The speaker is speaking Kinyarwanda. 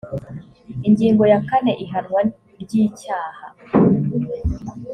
ingingo ya kane ihanwa ry icyaha